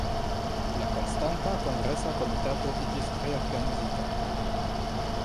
La Konstanta Kongresa Komitato iĝis reorganizita.